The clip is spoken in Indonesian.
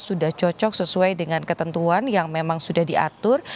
sudah cocok sesuai dengan ketentuan yang memang sudah diatur